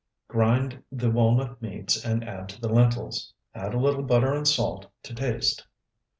Grind the walnut meats and add to the lentils. Add a little butter and salt to taste.